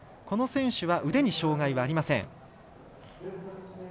この選手は腕に障がいはありません。